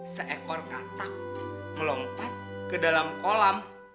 seekor katak melompat ke dalam kolam